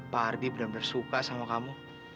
pak ardi benar benar suka sama kamu